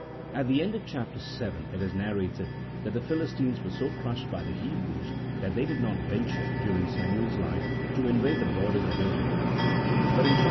At the end of chap. vii. it is narrated that the Philistines were so crushed by the Hebrews that they did not venture, during Samuel's life, to invade the borders of Israel; but in chap.